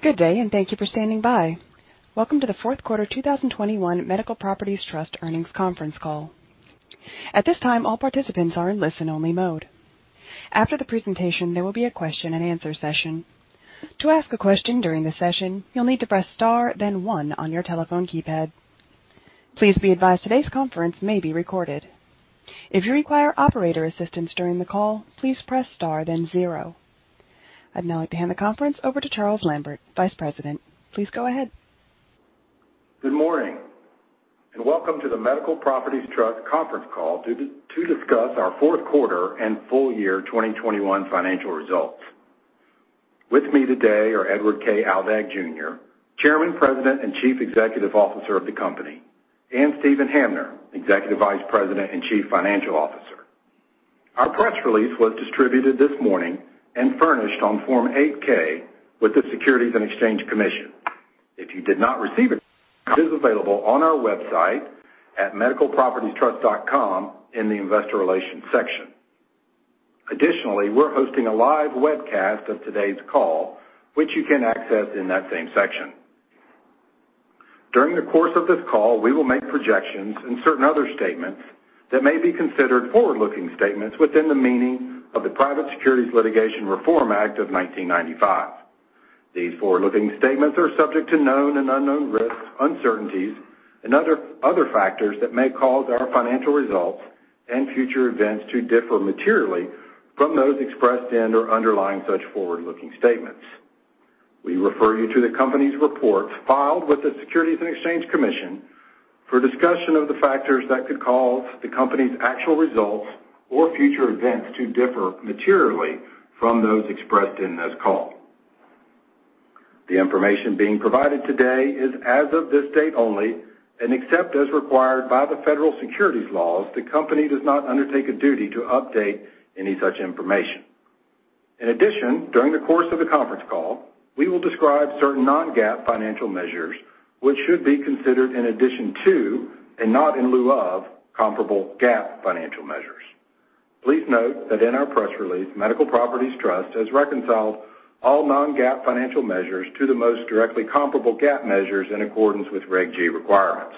Good day, and thank you for standing by. Welcome to the Q4 2021 Medical Properties Trust Earnings Conference Call. At this time, all participants are in listen-only mode. After the presentation, there will be a question-and-answer session. To ask a question during the session, you'll need to press star, then one on your telephone keypad. Please be advised today's conference may be recorded. If you require operator assistance during the call, please press star, then zero. I'd now like to hand the conference over to Charles Lambert, Vice President. Please go ahead. Good morning, and welcome to the Medical Properties Trust conference call to discuss our Q4 and full year 2021 financial results. With me today are Edward K. Aldag Jr., Chairman, President, and Chief Executive Officer of the company, and Steven Hamner, Executive Vice President and Chief Financial Officer. Our press release was distributed this morning and furnished on Form 8-K with the Securities and Exchange Commission. If you did not receive it is available on our website at medicalpropertiestrust.com in the Investor Relations section. Additionally, we're hosting a live webcast of today's call, which you can access in that same section. During the course of this call, we will make projections and certain other statements that may be considered forward-looking statements within the meaning of the Private Securities Litigation Reform Act of 1995. These forward-looking statements are subject to known and unknown risks, uncertainties, and other factors that may cause our financial results and future events to differ materially from those expressed in or underlying such forward-looking statements. We refer you to the company's reports filed with the Securities and Exchange Commission for a discussion of the factors that could cause the company's actual results or future events to differ materially from those expressed in this call. The information being provided today is as of this date only, and except as required by the federal securities laws, the company does not undertake a duty to update any such information. In addition, during the course of the conference call, we will describe certain non-GAAP financial measures, which should be considered in addition to, and not in lieu of, comparable GAAP financial measures. Please note that in our press release, Medical Properties Trust has reconciled all non-GAAP financial measures to the most directly comparable GAAP measures in accordance with Reg G requirements.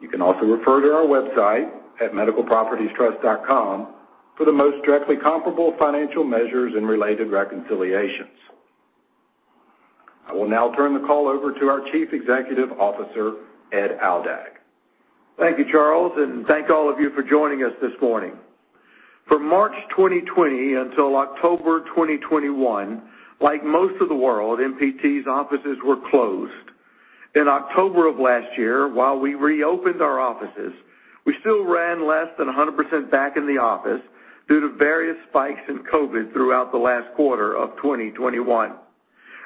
You can also refer to our website at medicalpropertiestrust.com for the most directly comparable financial measures and related reconciliations. I will now turn the call over to our Chief Executive Officer, Ed Aldag. Thank you, Charles, and thank all of you for joining us this morning. From March 2020 until October 2021, like most of the world, MPT's offices were closed. In October of last year, while we reopened our offices, we still ran less than 100% back in the office due to various spikes in COVID throughout the last quarter of 2021.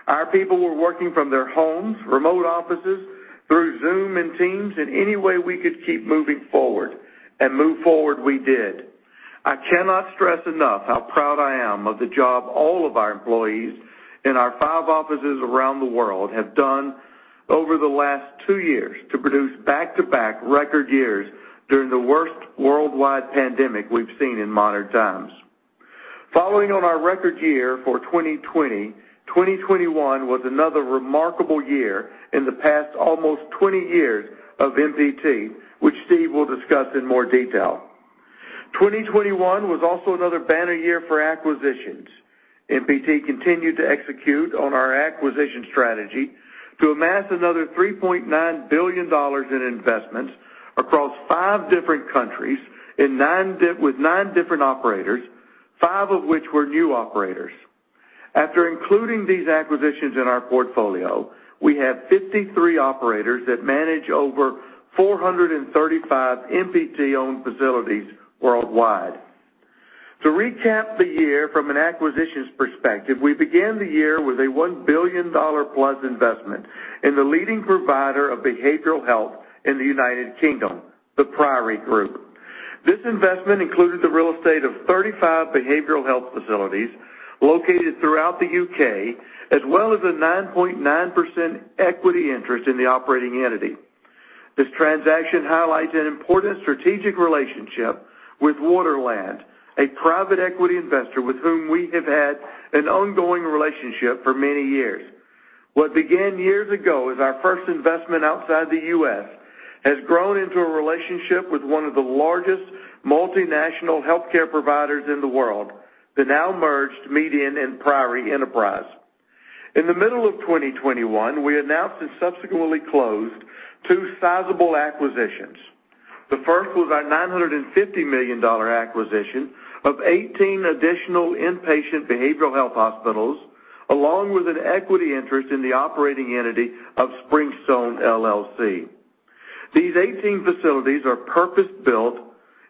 Our people were working from their homes, remote offices through Zoom and Teams in any way we could keep moving forward, and move forward we did. I cannot stress enough how proud I am of the job all of our employees in our five offices around the world have done over the last two years to produce back-to-back record years during the worst worldwide pandemic we've seen in modern times. Following on our record year for 2020, 2021 was another remarkable year in the past almost 20 years of MPT, which Steve will discuss in more detail. 2021 was also another banner year for acquisitions. MPT continued to execute on our acquisition strategy to amass another $3.9 billion in investments across five different countries with nine different operators, five of which were new operators. After including these acquisitions in our portfolio, we have 53 operators that manage over 435 MPT-owned facilities worldwide. To recap the year from an acquisitions perspective, we began the year with a $1 billion-plus investment in the leading provider of behavioral health in the United Kingdom, The Priory Group. This investment included the real estate of 35 behavioral health facilities located throughout the UK, as well as a 9.9% equity interest in the operating entity. This transaction highlights an important strategic relationship with Waterland, a private equity investor with whom we have had an ongoing relationship for many years. What began years ago as our first investment outside the US has grown into a relationship with one of the largest multinational healthcare providers in the world, the now merged MEDIAN and Priory enterprise. In the middle of 2021, we announced and subsequently closed two sizable acquisitions. The first was our $950 million acquisition of 18 additional inpatient behavioral health hospitals, along with an equity interest in the operating entity of Springstone, LLC. These 18 facilities are purpose-built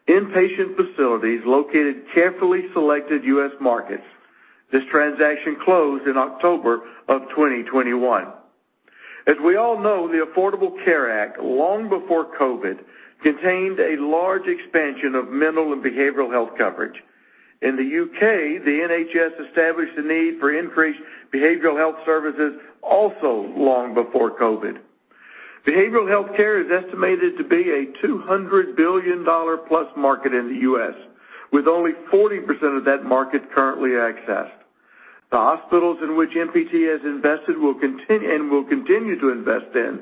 inpatient facilities located in carefully selected US markets. This transaction closed in October of 2021. As we all know, the Affordable Care Act, long before COVID, contained a large expansion of mental and behavioral health coverage. In the UK, the NHS established the need for increased behavioral health services also long before COVID. Behavioral healthcare is estimated to be a $200 billion-plus market in the US, with only 40% of that market currently accessed. The hospitals in which MPT has invested and will continue to invest in,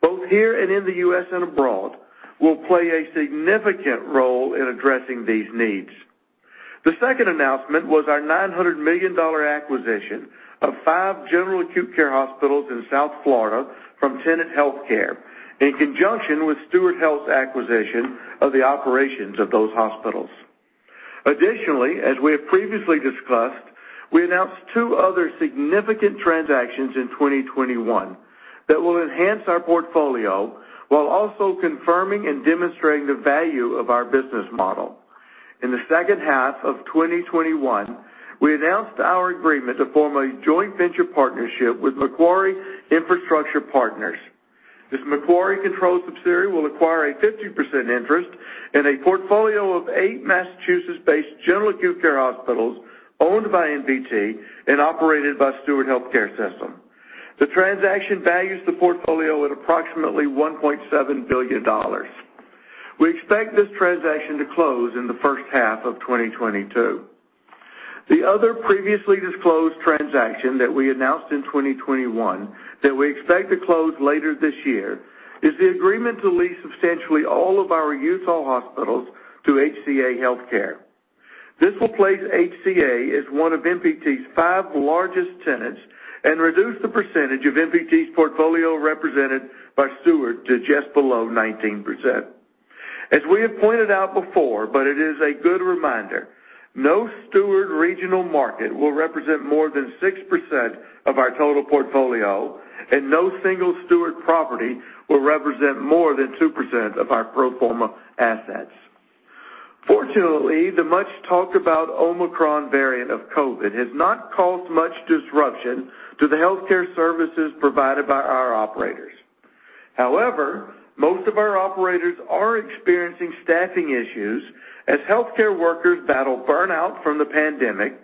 both here and in the US and abroad, will play a significant role in addressing these needs. The second announcement was our $900 million acquisition of five general acute care hospitals in South Florida from Tenet Healthcare, in conjunction with Steward Health Care's acquisition of the operations of those hospitals. Additionally, as we have previously discussed, we announced two other significant transactions in 2021 that will enhance our portfolio while also confirming and demonstrating the value of our business model. In the second half of 2021, we announced our agreement to form a joint venture partnership with Macquarie Infrastructure Partners. This Macquarie-controlled subsidiary will acquire a 50% interest in a portfolio of 8 Massachusetts-based general acute care hospitals owned by MPT and operated by Steward Health Care System. The transaction values the portfolio at approximately $1.7 billion. We expect this transaction to close in the first half of 2022. The other previously disclosed transaction that we announced in 2021 that we expect to close later this year is the agreement to lease substantially all of our Utah hospitals to HCA Healthcare. This will place HCA as one of MPT's 5 largest tenants and reduce the percentage of MPT's portfolio represented by Steward to just below 19%. As we have pointed out before, but it is a good reminder, no Steward regional market will represent more than 6% of our total portfolio, and no single Steward property will represent more than 2% of our pro forma assets. Fortunately, the much-talked-about Omicron variant of COVID has not caused much disruption to the healthcare services provided by our operators. However, most of our operators are experiencing staffing issues as healthcare workers battle burnout from the pandemic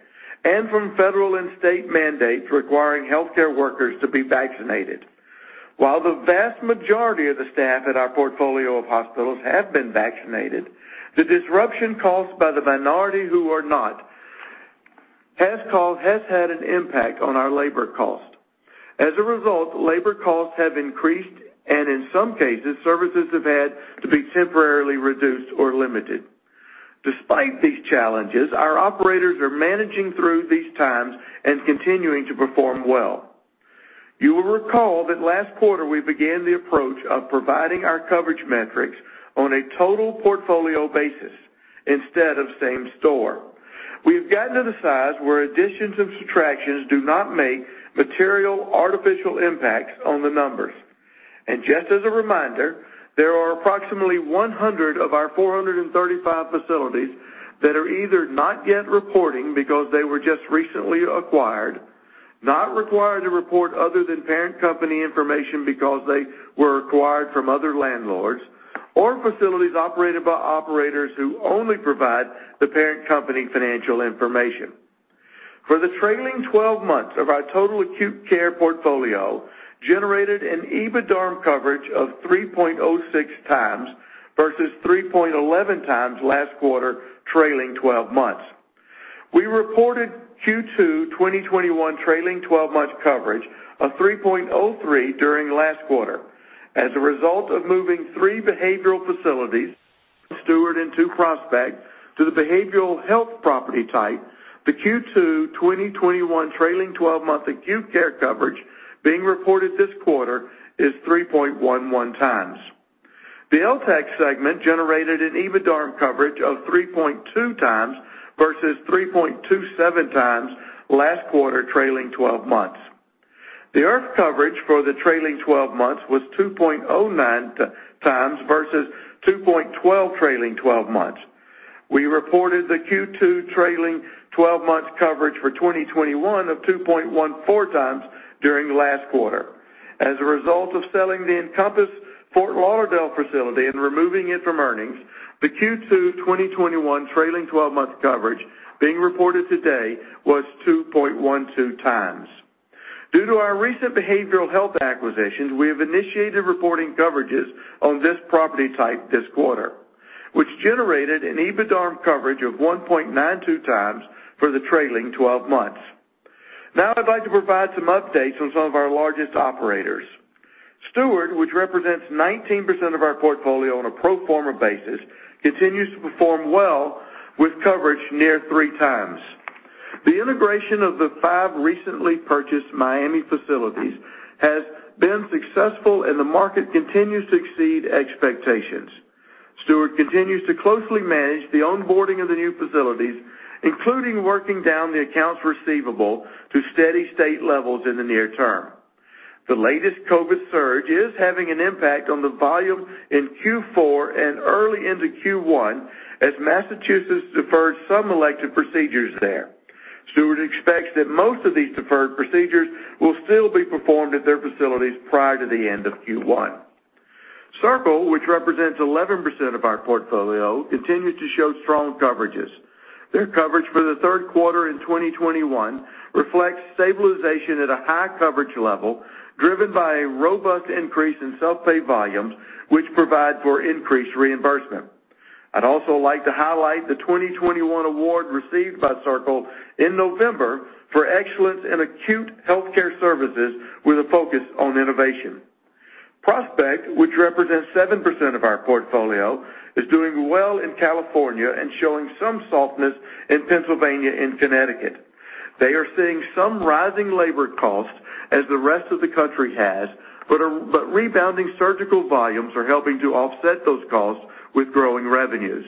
and from federal and state mandates requiring healthcare workers to be vaccinated. While the vast majority of the staff at our portfolio of hospitals have been vaccinated, the disruption caused by the minority who are not has had an impact on our labor cost. As a result, labor costs have increased, and in some cases, services have had to be temporarily reduced or limited. Despite these challenges, our operators are managing through these times and continuing to perform well. You will recall that last quarter we began the approach of providing our coverage metrics on a total portfolio basis instead of same store. We have gotten to the size where additions and subtractions do not make material artificial impacts on the numbers. Just as a reminder, there are approximately 100 of our 435 facilities that are either not yet reporting because they were just recently acquired, not required to report other than parent company information because they were acquired from other landlords, or facilities operated by operators who only provide the parent company financial information. For the trailing twelve months of our total acute care portfolio generated an EBITDARM coverage of 3.06 times versus 3.11 times last quarter trailing twelve months. We reported Q2 2021 trailing twelve-month coverage of 3.03 during last quarter. As a result of moving three behavioral facilities, Steward and two Prospect, to the behavioral health property type, the Q2 2021 trailing twelve-month acute care coverage being reported this quarter is 3.11 times. The LTAC segment generated an EBITDARM coverage of 3.2 times versus 3.27 times last quarter trailing twelve months. The IRF coverage for the trailing twelve months was 2.09 times versus 2.12 trailing twelve months. We reported the Q2 trailing twelve months coverage for 2021 of 2.14 times during last quarter. As a result of selling the Encompass Fort Lauderdale facility and removing it from earnings, the Q2 2021 trailing twelve-month coverage being reported today was 2.12 times. Due to our recent behavioral health acquisitions, we have initiated reporting coverages on this property type this quarter, which generated an EBITDARM coverage of 1.92 times for the trailing twelve months. Now I'd like to provide some updates on some of our largest operators. Steward, which represents 19% of our portfolio on a pro forma basis, continues to perform well with coverage near 3x. The integration of the five recently purchased Miami facilities has been successful and the market continues to exceed expectations. Steward continues to closely manage the onboarding of the new facilities, including working down the accounts receivable to steady-state levels in the near term. The latest COVID surge is having an impact on the volume in Q4 and early into Q1 as Massachusetts deferred some elective procedures there. Steward expects that most of these deferred procedures will still be performed at their facilities prior to the end of Q1. Circle, which represents 11% of our portfolio, continues to show strong coverages. Their coverage for the Q3 in 2021 reflects stabilization at a high coverage level, driven by a robust increase in self-pay volumes, which provide for increased reimbursement. I'd also like to highlight the 2021 award received by Circle in November for excellence in acute healthcare services with a focus on innovation. Prospect, which represents 7% of our portfolio, is doing well in California and showing some softness in Pennsylvania and Connecticut. They are seeing some rising labor costs as the rest of the country has, but rebounding surgical volumes are helping to offset those costs with growing revenues.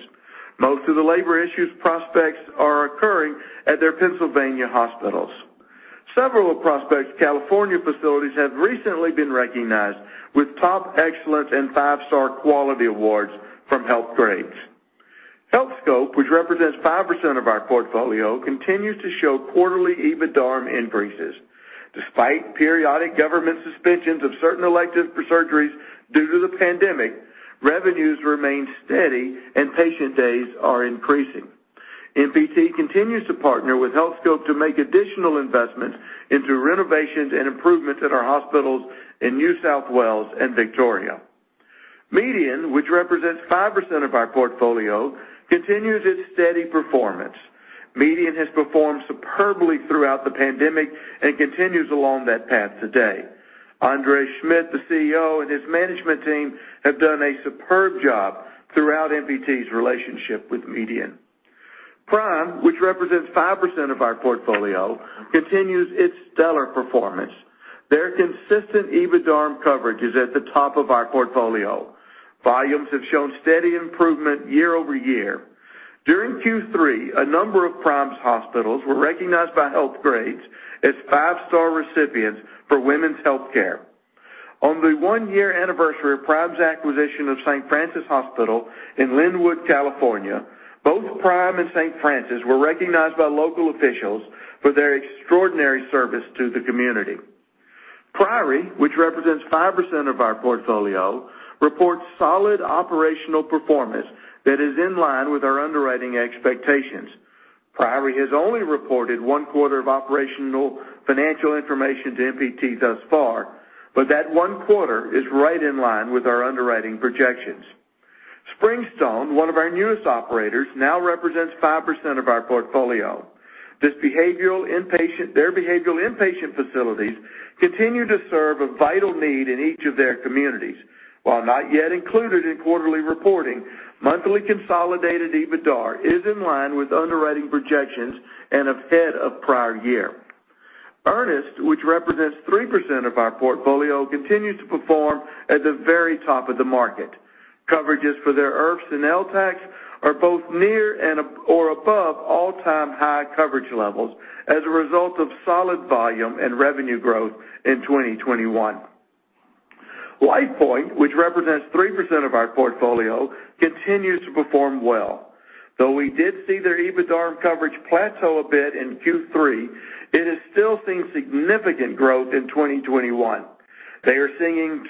Most of the labor issues Prospect's are occurring at their Pennsylvania hospitals. Several of Prospect's California facilities have recently been recognized with top excellence and five-star quality awards from Healthgrades. Healthscope, which represents 5% of our portfolio, continues to show quarterly EBITDARM increases. Despite periodic government suspensions of certain elective surgeries due to the pandemic, revenues remain steady and patient days are increasing. MPT continues to partner with Healthscope to make additional investments into renovations and improvements at our hospitals in New South Wales and Victoria. MEDIAN, which represents 5% of our portfolio, continues its steady performance. MEDIAN has performed superbly throughout the pandemic and continues along that path today. André M. Schmidt, the CEO, and his management team have done a superb job throughout MPT's relationship with MEDIAN. Prime, which represents 5% of our portfolio, continues its stellar performance. Their consistent EBITDARM coverage is at the top of our portfolio. Volumes have shown steady improvement year-over-year. During Q3, a number of Prime's hospitals were recognized by Healthgrades as five-star recipients for women's health care. On the one-year anniversary of Prime's acquisition of St. Francis Hospital in Lynwood, California, both Prime and St. Francis were recognized by local officials for their extraordinary service to the community. Priory, which represents 5% of our portfolio, reports solid operational performance that is in line with our underwriting expectations. Priory has only reported one quarter of operational financial information to MPT thus far, but that one quarter is right in line with our underwriting projections. Springstone, one of our newest operators, now represents 5% of our portfolio. Their behavioral inpatient facilities continue to serve a vital need in each of their communities. While not yet included in quarterly reporting, monthly consolidated EBITDAR is in line with underwriting projections and ahead of prior year. Ernest, which represents 3% of our portfolio, continues to perform at the very top of the market. Coverages for their IRFs and LTACs are both near and/or above all-time high coverage levels as a result of solid volume and revenue growth in 2021. LifePoint, which represents 3% of our portfolio, continues to perform well. Though we did see their EBITDARM coverage plateau a bit in Q3, it is still seeing significant growth in 2021. They are seeing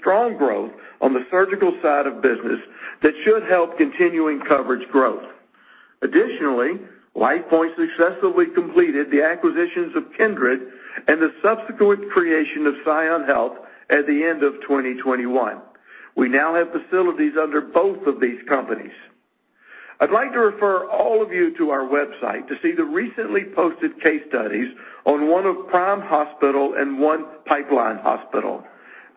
strong growth on the surgical side of business that should help continuing coverage growth. Additionally, LifePoint successfully completed the acquisitions of Kindred and the subsequent creation of ScionHealth at the end of 2021. We now have facilities under both of these companies. I'd like to refer all of you to our website to see the recently posted case studies on one of Prime Healthcare and one Pipeline Health.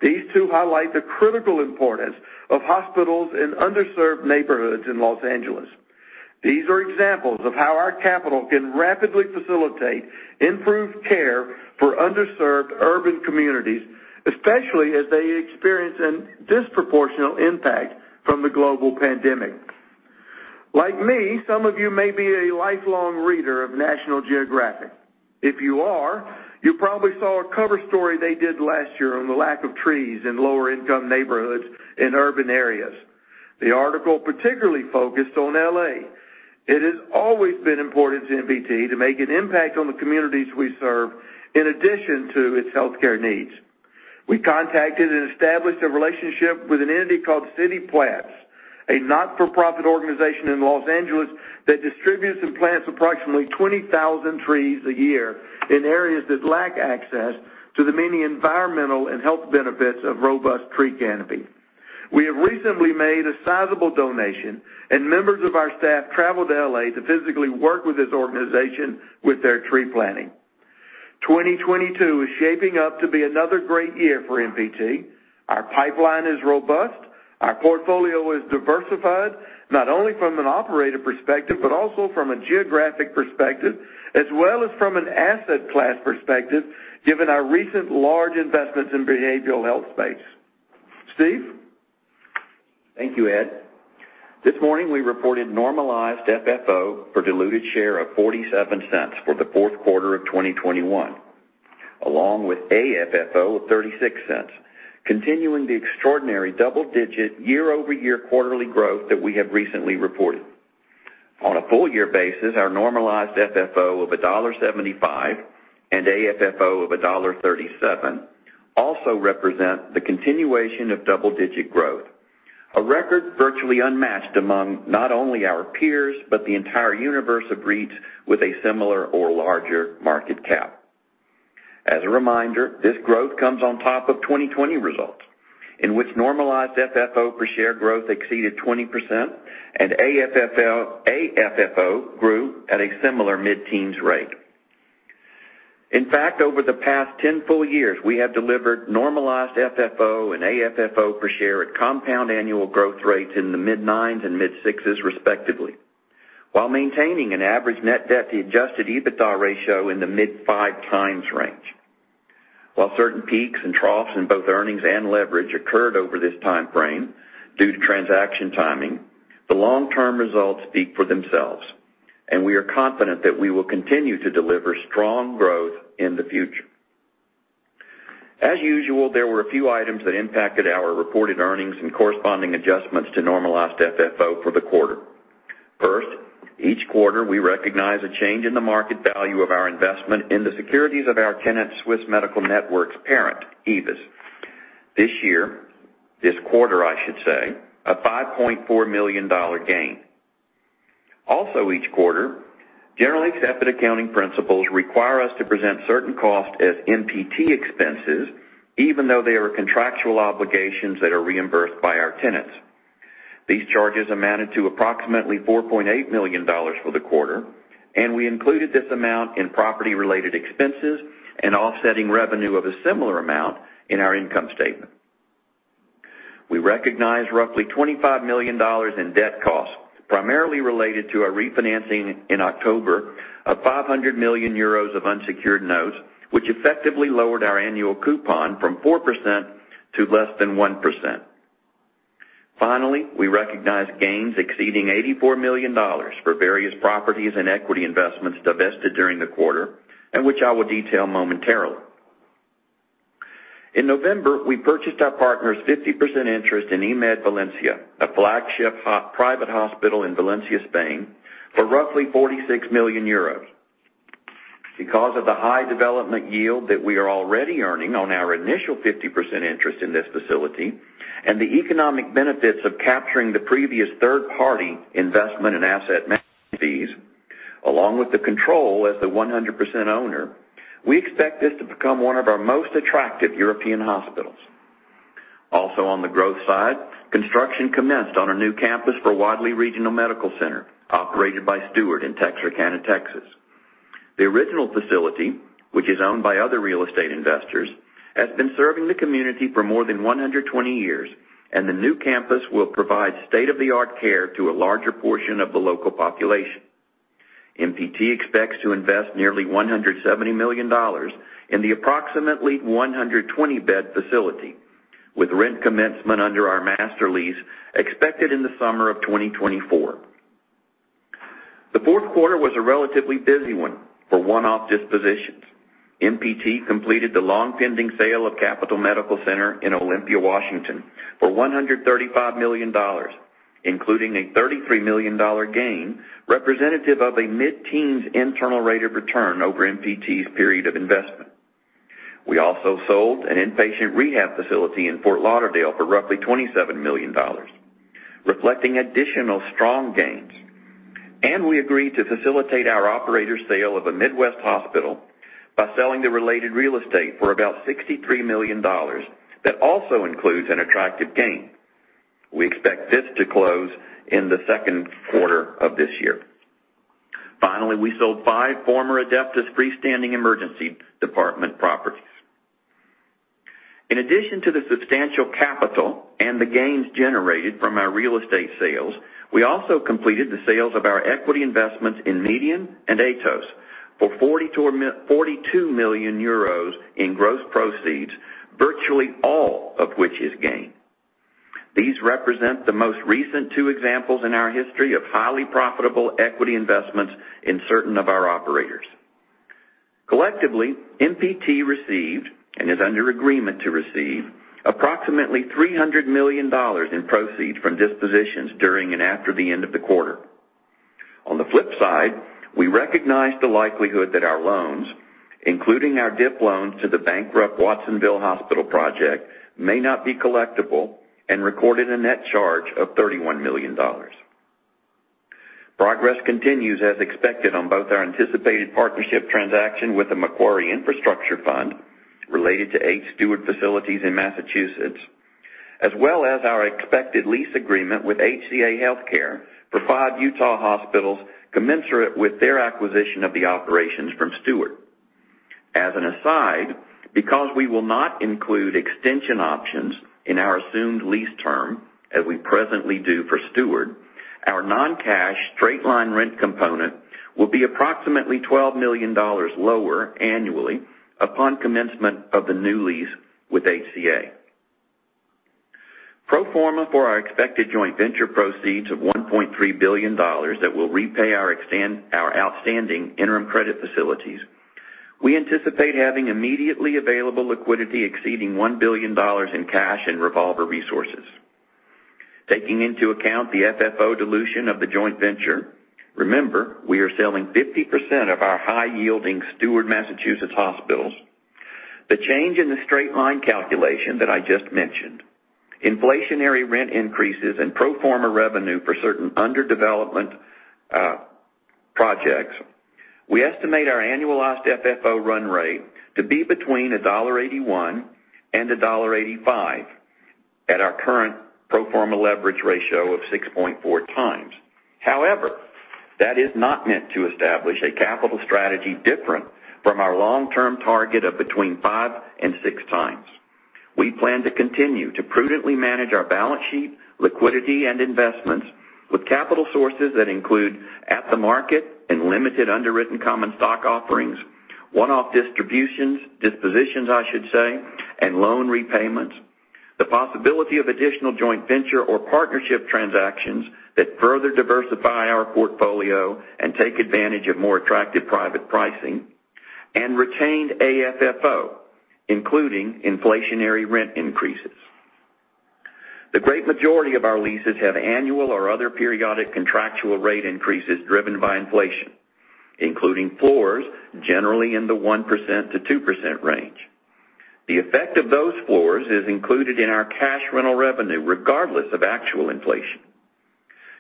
These two highlight the critical importance of hospitals in underserved neighborhoods in Los Angeles. These are examples of how our capital can rapidly facilitate improved care for underserved urban communities, especially as they experience a disproportionate impact from the global pandemic. Like me, some of you may be a lifelong reader of National Geographic. If you are, you probably saw a cover story they did last year on the lack of trees in lower-income neighborhoods in urban areas. The article particularly focused on L.A. It has always been important to MPT to make an impact on the communities we serve in addition to its healthcare needs. We contacted and established a relationship with an entity called City Plants, a not-for-profit organization in Los Angeles that distributes and plants approximately 20,000 trees a year in areas that lack access to the many environmental and health benefits of robust tree canopy. We have recently made a sizable donation and members of our staff traveled to L.A. to physically work with this organization with their tree planting. 2022 is shaping up to be another great year for MPT. Our pipeline is robust. Our portfolio is diversified, not only from an operator perspective, but also from a geographic perspective, as well as from an asset class perspective, given our recent large investments in behavioral health space. Steve? Thank you, Ed. This morning, we reported normalized FFO per diluted share of $0.47 for the Q4 of 2021, along with AFFO of $0.36, continuing the extraordinary double-digit year-over-year quarterly growth that we have recently reported. On a full year basis, our normalized FFO of $1.75 and AFFO of $1.37 also represent the continuation of double-digit growth, a record virtually unmatched among not only our peers but the entire universe of REITs with a similar or larger market cap. As a reminder, this growth comes on top of 2020 results, in which normalized FFO per share growth exceeded 20% and AFFO grew at a similar mid-teens rate. In fact, over the past 10 full years, we have delivered normalized FFO and AFFO per share at compound annual growth rates in the mid-9% and mid-6% respectively, while maintaining an average net debt to adjusted EBITDA ratio in the mid-5x range. While certain peaks and troughs in both earnings and leverage occurred over this time frame due to transaction timing, the long-term results speak for themselves, and we are confident that we will continue to deliver strong growth in the future. As usual, there were a few items that impacted our reported earnings and corresponding adjustments to normalized FFO for the quarter. First, each quarter, we recognize a change in the market value of our investment in the securities of our tenant, Swiss Medical Network's parent, AEVIS. This year, this quarter, I should say, a $5.4 million gain. Also each quarter, generally accepted accounting principles require us to present certain costs as MPT expenses, even though they are contractual obligations that are reimbursed by our tenants. These charges amounted to approximately $4.8 million for the quarter, and we included this amount in property-related expenses and offsetting revenue of a similar amount in our income statement. We recognized roughly $25 million in debt costs, primarily related to our refinancing in October of 500 million euros of unsecured notes, which effectively lowered our annual coupon from 4% to less than 1%. Finally, we recognized gains exceeding $84 million for various properties and equity investments divested during the quarter, and which I will detail momentarily. In November, we purchased our partner's 50% interest in IMED Valencia, a flagship private hospital in Valencia, Spain, for roughly 46 million euros. Because of the high development yield that we are already earning on our initial 50% interest in this facility and the economic benefits of capturing the previous third-party investment and asset management fees, along with the control as the 100% owner, we expect this to become one of our most attractive European hospitals. Also on the growth side, construction commenced on a new campus for Wadley Regional Medical Center, operated by Steward in Texarkana, Texas. The original facility, which is owned by other real estate investors, has been serving the community for more than 120 years, and the new campus will provide state-of-the-art care to a larger portion of the local population. MPT expects to invest nearly $170 million in the approximately 120-bed facility, with rent commencement under our master lease expected in the summer of 2024. The Q4 was a relatively busy one for one-off dispositions. MPT completed the long-pending sale of Capital Medical Center in Olympia, Washington, for $135 million, including a $33 million gain, representative of a mid-teens internal rate of return over MPT's period of investment. We also sold an inpatient rehab facility in Fort Lauderdale for roughly $27 million, reflecting additional strong gains. We agreed to facilitate our operator sale of a Midwest hospital by selling the related real estate for about $63 million. That also includes an attractive gain. We expect this to close in the Q2 of this year. Finally, we sold five former Adeptus freestanding emergency department properties. In addition to the substantial capital and the gains generated from our real estate sales, we also completed the sales of our equity investments in MEDIAN and Atos for 42 million euros in gross proceeds, virtually all of which is gain. These represent the most recent two examples in our history of highly profitable equity investments in certain of our operators. Collectively, MPT received, and is under agreement to receive, approximately $300 million in proceeds from dispositions during and after the end of the quarter. On the flip side, we recognized the likelihood that our loans, including our DIP loan to the bankrupt Watsonville Community Hospital project, may not be collectible and recorded a net charge of $31 million. Progress continues as expected on both our anticipated partnership transaction with the Macquarie Infrastructure Fund related to eight Steward facilities in Massachusetts, as well as our expected lease agreement with HCA Healthcare for five Utah hospitals commensurate with their acquisition of the operations from Steward. As an aside, because we will not include extension options in our assumed lease term as we presently do for Steward, our non-cash straight-line rent component will be approximately $12 million lower annually upon commencement of the new lease with HCA. Pro forma for our expected joint venture proceeds of $1.3 billion that will repay our outstanding interim credit facilities. We anticipate having immediately available liquidity exceeding $1 billion in cash and revolver resources. Taking into account the FFO dilution of the joint venture, remember, we are selling 50% of our high-yielding Steward Massachusetts hospitals. The change in the straight-line calculation that I just mentioned, inflationary rent increases and pro forma revenue for certain underdevelopment projects, we estimate our annualized FFO run rate to be between $1.81 and 1.85 at our current pro forma leverage ratio of 6.4 times. However, that is not meant to establish a capital strategy different from our long-term target of between 5 and 6 times. We plan to continue to prudently manage our balance sheet, liquidity, and investments with capital sources that include at-the-market and limited underwritten common stock offerings, one-off dispositions, I should say, and loan repayments, the possibility of additional joint venture or partnership transactions that further diversify our portfolio and take advantage of more attractive private pricing, and retained AFFO, including inflationary rent increases. The great majority of our leases have annual or other periodic contractual rate increases driven by inflation, including floors generally in the 1% to 2% range. The effect of those floors is included in our cash rental revenue regardless of actual inflation.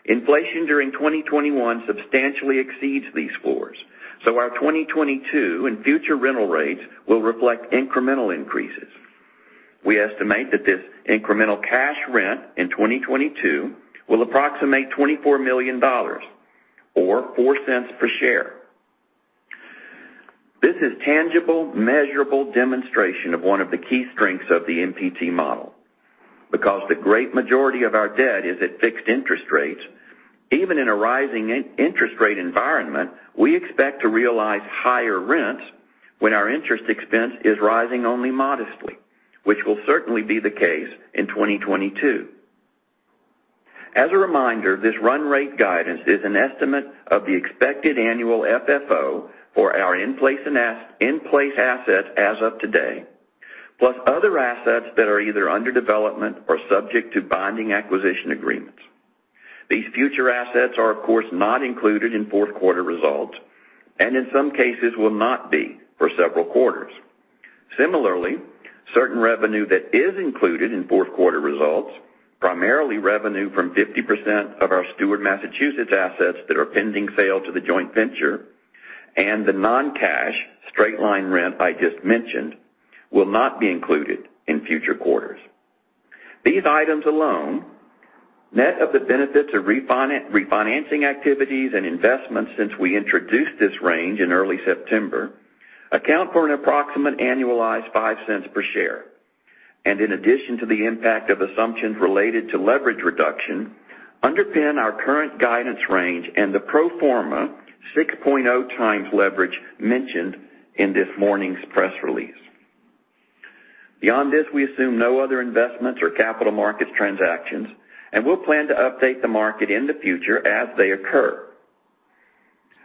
Inflation during 2021 substantially exceeds these floors, so our 2022 and future rental rates will reflect incremental increases. We estimate that this incremental cash rent in 2022 will approximate $24 million or $0.04 per share. This is tangible, measurable demonstration of one of the key strengths of the MPT model. Because the great majority of our debt is at fixed interest rates, even in a rising interest rate environment, we expect to realize higher rents when our interest expense is rising only modestly, which will certainly be the case in 2022. As a reminder, this run rate guidance is an estimate of the expected annual FFO for our in-place and in-place assets as of today, plus other assets that are either under development or subject to binding acquisition agreements. These future assets are, of course, not included in Q4 results, and in some cases will not be for several quarters. Similarly, certain revenue that is included in Q4 results, primarily revenue from 50% of our Steward Massachusetts assets that are pending sale to the joint venture and the non-cash straight-line rent I just mentioned, will not be included in future quarters. These items alone, net of the benefits of refinancing activities and investments since we introduced this range in early September, account for an approximate annualized $0.05 per share. In addition to the impact of assumptions related to leverage reduction, underpin our current guidance range and the pro forma 6.0x leverage mentioned in this morning's press release. Beyond this, we assume no other investments or capital markets transactions, and we'll plan to update the market in the future as they occur.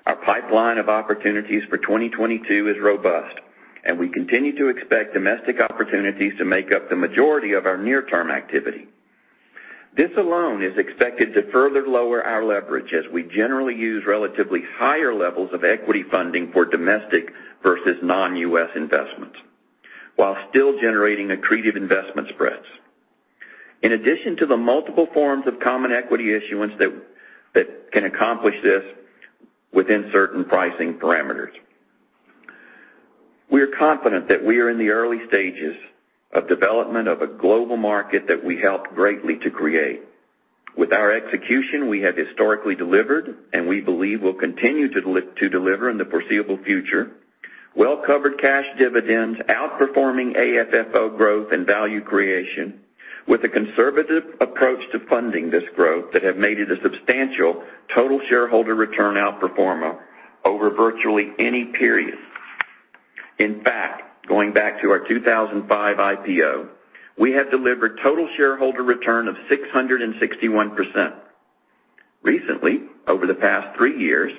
Our pipeline of opportunities for 2022 is robust, and we continue to expect domestic opportunities to make up the majority of our near-term activity. This alone is expected to further lower our leverage as we generally use relatively higher levels of equity funding for domestic versus non-US investments, while still generating accretive investment spreads. In addition to the multiple forms of common equity issuance that can accomplish this within certain pricing parameters. We are confident that we are in the early stages of development of a global market that we helped greatly to create. With our execution, we have historically delivered, and we believe will continue to deliver in the foreseeable future, well-covered cash dividends outperforming AFFO growth and value creation with a conservative approach to funding this growth that have made it a substantial total shareholder return outperformer over virtually any period. In fact, going back to our 2005 IPO, we have delivered total shareholder return of 661%. Recently, over the past three years,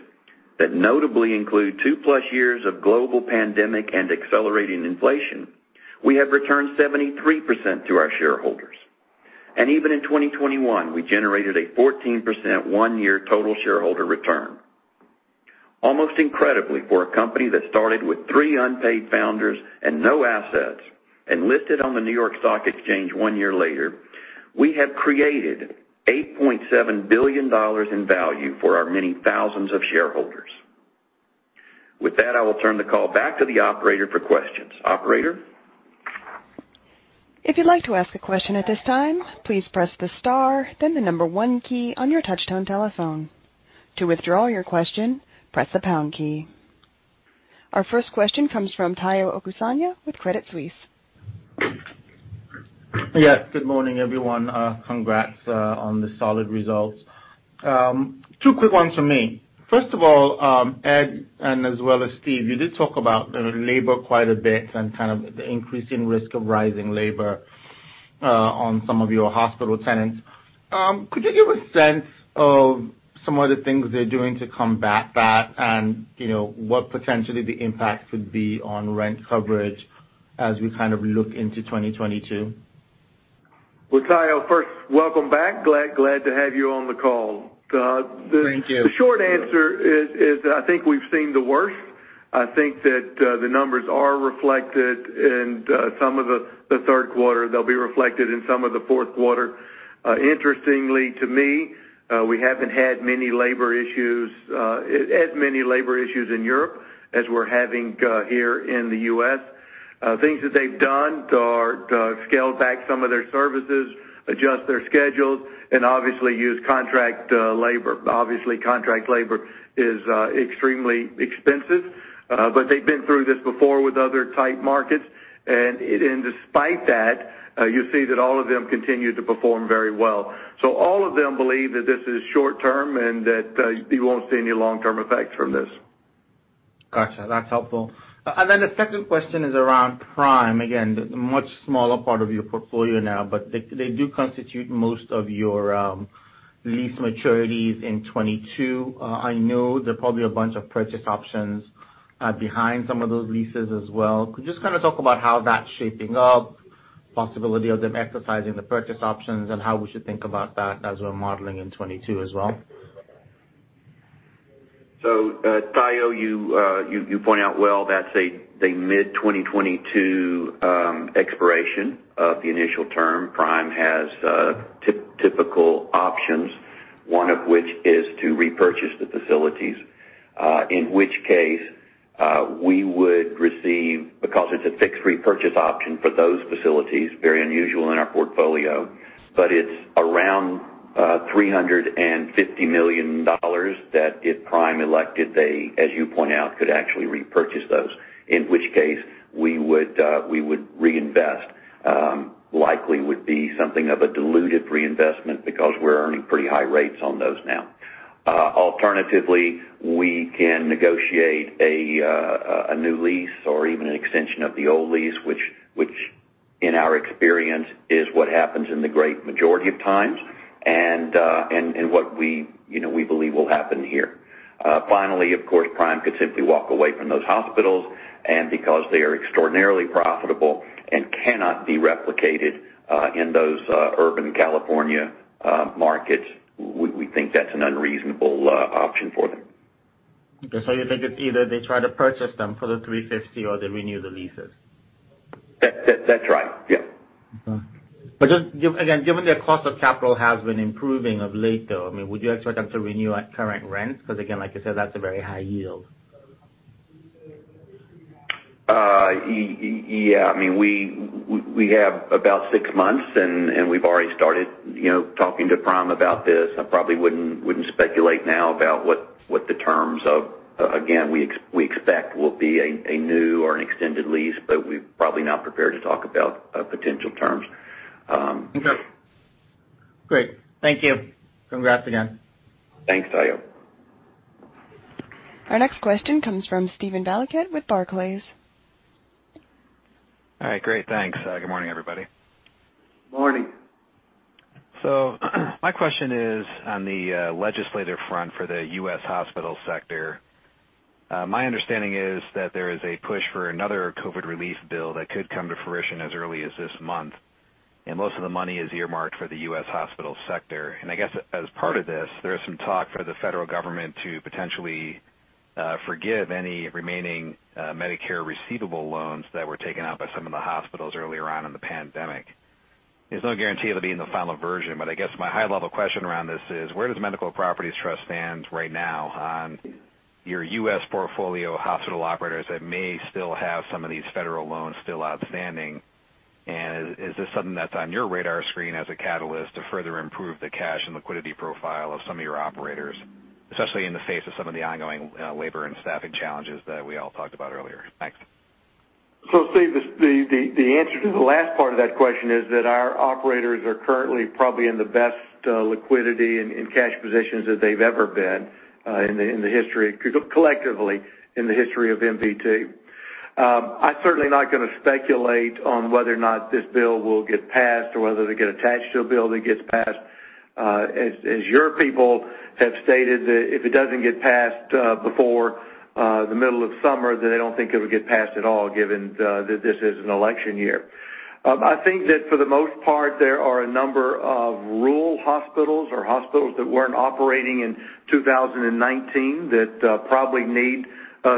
that notably include two-plus years of global pandemic and accelerating inflation, we have returned 73% to our shareholders. Even in 2021, we generated a 14% one-year total shareholder return. Almost incredibly for a company that started with three unpaid founders and no assets and listed on the New York Stock Exchange one year later, we have created $8.7 billion in value for our many thousands of shareholders. With that, I will turn the call back to the operator for questions. Operator? If you'd like to ask a question at this time, please press the star, then the number one key on your touchtone telephone. To withdraw your question, press the pound key. Our first question comes from Omotayo Okusanya with Credit Suisse. Yes, good morning, everyone. Congrats on the solid results. Two quick ones from me. First of all, Ed, and as well as Steve, you did talk about the labor quite a bit and kind of the increasing risk of rising labor on some of your hospital tenants. Could you give a sense of some of the things they're doing to combat that? You know, what potentially the impact could be on rent coverage as we kind of look into 2022. Well, Tayo first, welcome back. Glad to have you on the call. Thank you. The short answer is I think we've seen the worst. I think that the numbers are reflected in some of the Q3. They'll be reflected in some of the Q4. Interestingly to me, we haven't had many labor issues as many labor issues in Europe as we're having here in the US Things that they've done are to scale back some of their services, adjust their schedules, and obviously use contract labor. Obviously, contract labor is extremely expensive, but they've been through this before with other tight markets. Despite that, you see that all of them continue to perform very well. All of them believe that this is short-term and that you won't see any long-term effects from this. Gotcha, that's helpful. The second question is around Prime. Again, much smaller part of your portfolio now, but they do constitute most of your lease maturities in 2022. I know there are probably a bunch of purchase options behind some of those leases as well. Could you just kind of talk about how that's shaping up, possibility of them exercising the purchase options and how we should think about that as we're modeling in 2022 as well? Tayo, you point out well that's a mid-2022 expiration of the initial term. Prime has typical options, one of which is to repurchase the facilities, in which case we would receive, because it's a fixed repurchase option for those facilities, very unusual in our portfolio, but it's around $350 million that if Prime elected, they, as you point out, could actually repurchase those, in which case we would reinvest. Likely would be something of a diluted reinvestment because we're earning pretty high rates on those now. Alternatively, we can negotiate a new lease or even an extension of the old lease, which in our experience is what happens in the great majority of times and what we, you know, we believe will happen here. Finally, of course, Prime could simply walk away from those hospitals, and because they are extraordinarily profitable and cannot be replicated in those urban California markets, we think that's an unreasonable option for them. Okay. You think it's either they try to purchase them for the $350 or they renew the leases. That's right. Yeah. Again, given their cost of capital has been improving of late, though, I mean, would you expect them to renew at current rents? Because again, like you said, that's a very high yield. Yeah, I mean, we have about six months and we've already started, you know, talking to Prime about this. I probably wouldn't speculate now about what the terms. Again, we expect will be a new or an extended lease, but we're probably not prepared to talk about potential terms. Okay, great. Thank you. Congrats again. Thanks, Tayo. Our next question comes from Steven Valiquette with Barclays. All right, great. Thanks. Good morning, everybody. Morning. My question is on the legislative front for the US hospital sector. My understanding is that there is a push for another COVID relief bill that could come to fruition as early as this month, and most of the money is earmarked for the US hospital sector. I guess as part of this, there is some talk for the federal government to potentially forgive any remaining Medicare receivable loans that were taken out by some of the hospitals earlier on in the pandemic. There's no guarantee it'll be in the final version, but I guess my high level question around this is: where does Medical Properties Trust stand right now on your US portfolio hospital operators that may still have some of these federal loans still outstanding? Is this something that's on your radar screen as a catalyst to further improve the cash and liquidity profile of some of your operators, especially in the face of some of the ongoing, labor and staffing challenges that we all talked about earlier? Thanks. Steve, the answer to the last part of that question is that our operators are currently probably in the best liquidity and cash positions that they've ever been collectively in the history of MPT. I'm certainly not gonna speculate on whether or not this bill will get passed or whether they get attached to a bill that gets passed. As your people have stated, that if it doesn't get passed before the middle of summer, then they don't think it would get passed at all, given that this is an election year. I think that for the most part, there are a number of rural hospitals or hospitals that weren't operating in 2019 that probably need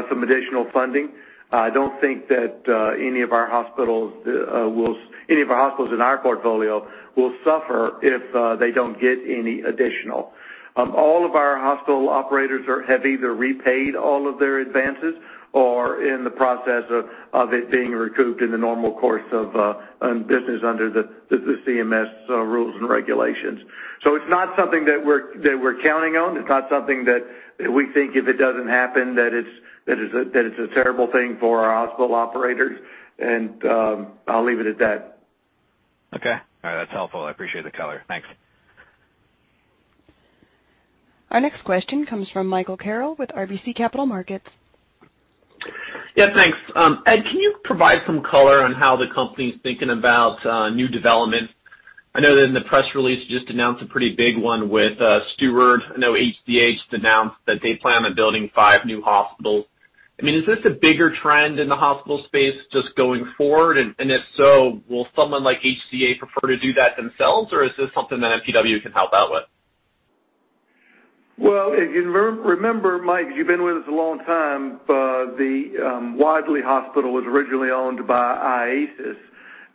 some additional funding. I don't think that any of our hospitals in our portfolio will suffer if they don't get any additional. All of our hospital operators have either repaid all of their advances or are in the process of it being recouped in the normal course of business under the CMS rules and regulations. It's not something that we're counting on. It's not something that we think if it doesn't happen, that it's a terrible thing for our hospital operators. I'll leave it at that. Okay. All right. That's helpful. I appreciate the color. Thanks. Our next question comes from Michael Carroll with RBC Capital Markets. Yeah, thanks. Ed, can you provide some color on how the company's thinking about new development? I know that in the press release, you just announced a pretty big one with Steward. I know HCA just announced that they plan on building five new hospitals. I mean, is this a bigger trend in the hospital space just going forward? If so, will someone like HCA prefer to do that themselves, or is this something that MPW can help out with? Well, if you remember, Mike, you've been with us a long time, the Wadley Hospital was originally owned by IASIS,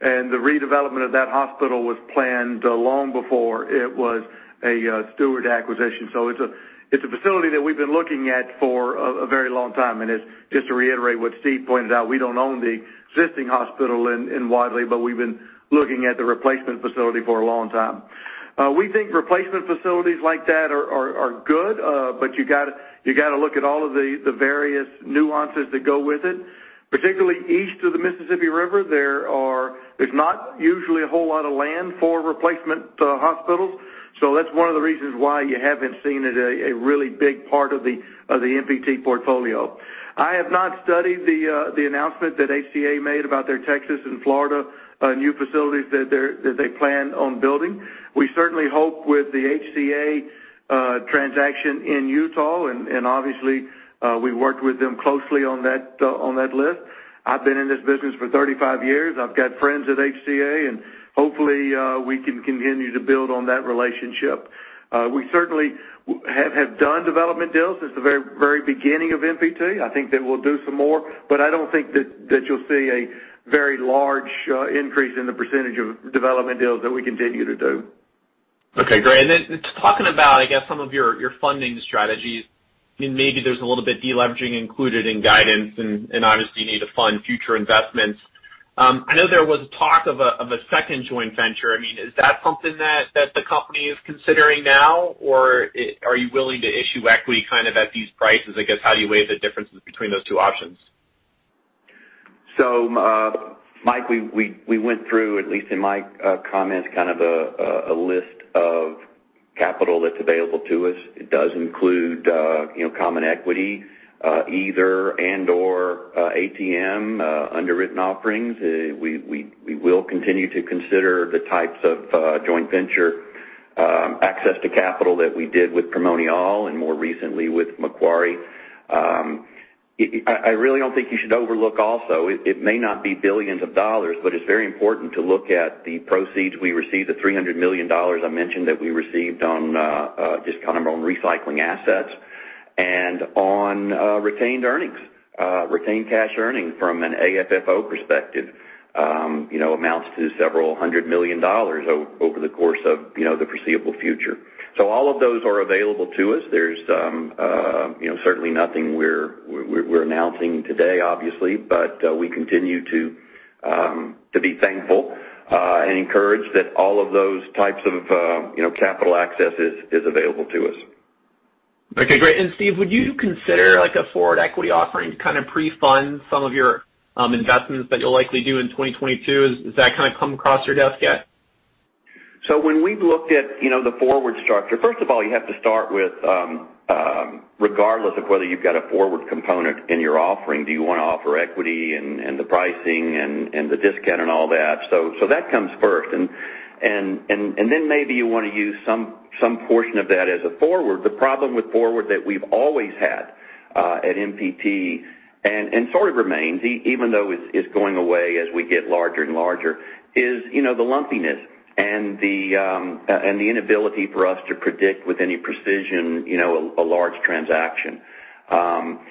and the redevelopment of that hospital was planned long before it was a Steward acquisition. It's a facility that we've been looking at for a very long time. Just to reiterate what Steve pointed out, we don't own the existing hospital in Wadley, but we've been looking at the replacement facility for a long time. We think replacement facilities like that are good, but you gotta look at all of the various nuances that go with it. Particularly east of the Mississippi River, there's not usually a whole lot of land for replacement hospitals, so that's one of the reasons why you haven't seen it as a really big part of the MPT portfolio. I have not studied the announcement that HCA made about their Texas and Florida new facilities that they plan on building. We certainly hope with the HCA transaction in Utah, and obviously, we worked with them closely on that list. I've been in this business for 35 years. I've got friends at HCA, and hopefully, we can continue to build on that relationship. We certainly have done development deals since the very beginning of MPT. I think that we'll do some more, but I don't think that you'll see a very large increase in the percentage of development deals that we continue to do. Okay, great. Just talking about, I guess, some of your funding strategies, and maybe there's a little bit deleveraging included in guidance, and obviously you need to fund future investments. I know there was talk of a second joint venture. I mean, is that something that the company is considering now, or are you willing to issue equity kind of at these prices? I guess, how do you weigh the differences between those two options? Mike, we went through, at least in my comments, a list of capital that's available to us. It does include, you know, common equity, either and/or, ATM, underwritten offerings. We will continue to consider the types of joint venture access to capital that we did with Primonial and more recently with Macquarie. I really don't think you should overlook also, it may not be billions of dollars, but it's very important to look at the proceeds we received, the $300 million I mentioned that we received on just recycling assets and on retained earnings, retained cash earnings from an AFFO perspective, you know, amounts to several hundred million dollars over the course of, you know, the foreseeable future. All of those are available to us. There's you know, certainly nothing we're announcing today, obviously, but we continue to be thankful and encouraged that all of those types of you know, capital access is available to us. Okay, great. Steve, would you consider like a forward equity offering to kind of pre-fund some of your investments that you'll likely do in 2022? Has that kind of come across your desk yet? When we've looked at, you know, the forward structure, first of all, you have to start with, regardless of whether you've got a forward component in your offering, do you wanna offer equity and the pricing and the discount and all that. That comes first. Then maybe you wanna use some portion of that as a forward. The problem with forward that we've always had at MPT, and sort of remains, even though it's going away as we get larger and larger, is, you know, the lumpiness and the inability for us to predict with any precision, you know, a large transaction.